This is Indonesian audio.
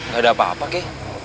gak ada apa apa kah